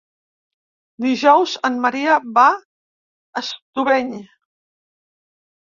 Dijous en Maria va a Estubeny.